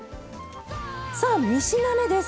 ２品目です。